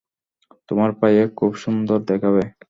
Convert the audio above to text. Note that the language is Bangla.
তোমার পায়ে খুব সুন্দর দেখাবে।